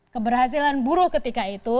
keberhasilan buruh ketika itu